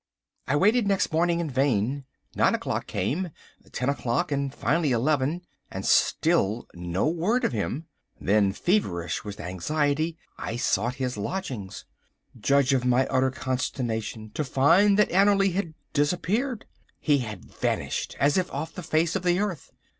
I waited next morning in vain. Nine o'clock came, ten o'clock, and finally eleven, and still no word of him. Then feverish with anxiety, I sought his lodgings. Judge of my utter consternation to find that Annerly had disappeared. He had vanished as if off the face of the earth.